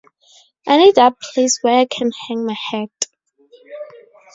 I need that place where I can hang my hat.